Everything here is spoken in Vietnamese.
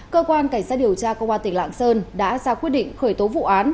cơ quan cảnh sát điều tra công an tỉnh lạng sơn đã ra quyết định khởi tố vụ án